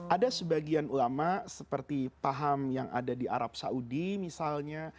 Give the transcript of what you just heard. ada sebagian ulama seperti paham yang ada di arab saudi misalnya